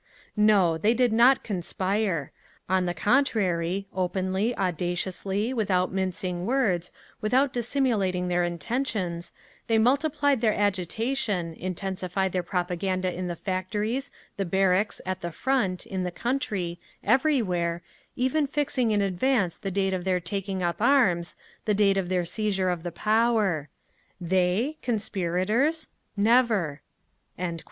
"No! They did not conspire. On the contrary, openly, audaciously, without mincing words, without dissimulating their intentions, they multiplied their agitation, intensified their propaganda in the factories, the barracks, at the Front, in the country, everywhere, even fixing in advance the date of their taking up arms, the date of their seizure of the power…. "They—conspirators? Never…." 6.